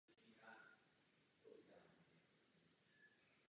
Dnes jsou svahy údolí narušeny řadou lomů.